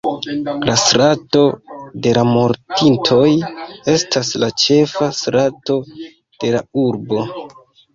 La Strato de la Mortintoj estas la ĉefa strato de la urbo.